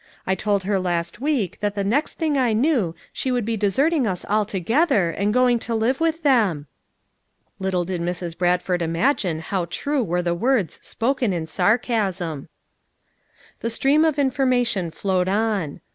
I told her last week that the next thing I knew she would be deserting us altogether and going to live with them I" Little did Mrs. Bradford imagine how true were the words spoken in sarcasm 1 The stream of information flowed on.